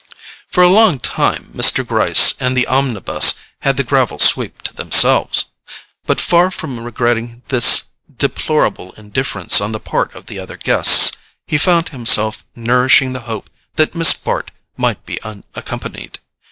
For a long time Mr. Gryce and the omnibus had the gravel sweep to themselves; but, far from regretting this deplorable indifference on the part of the other guests, he found himself nourishing the hope that Miss Bart might be unaccompanied.